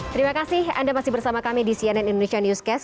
terima kasih anda masih bersama kami di cnn indonesia newscast